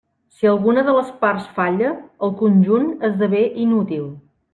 Si alguna de les parts falla, el conjunt esdevé inútil.